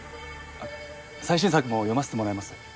最新作も読ませてもらいます。